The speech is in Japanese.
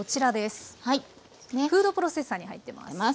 フードプロセッサーに入ってます。